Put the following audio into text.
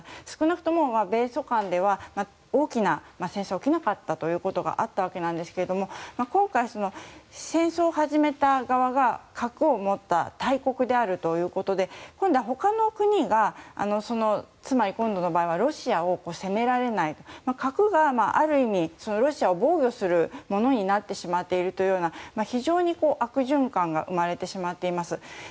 少なくとも米ソ間では大きな戦争は起きなかったということがあったわけですが今回、戦争を始めた側が核を持った大国であるということで今度はほかの国がつまり、今度の場合はロシアを責められない核がある意味、ロシアを防御するものになってしまっているという非常に悪循環が生まれてしまっています。